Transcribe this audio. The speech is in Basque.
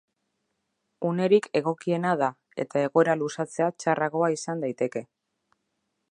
Unerik egokiena da, eta egoera luzatzea txarragoa izan daiteke.